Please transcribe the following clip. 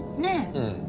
うん。